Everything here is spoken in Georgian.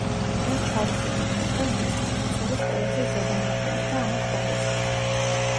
ამას ჩავთვლიდით, მაგრამ ვიცით, რომ ეს არის ყველაზე ზედა ნაყინი და ამით დავიწყეთ.